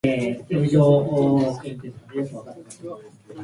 おはよう世の中夢を連れて繰り返した夢には生活のメロディ